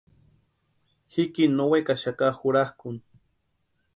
Jikini no wekaxaka jurakʼuni.